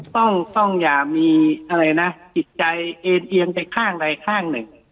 ต้องต้องอย่ามีอะไรนะจิตใจเอ็นเอียงไปข้างใดข้างหนึ่ง